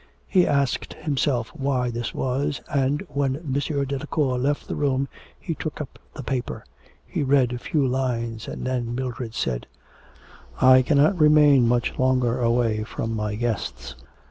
He asked himself why this was, and, when M. Delacour left the room, he took up the paper. He read a few lines and then Mildred said: 'I cannot remain much longer away from my guests.'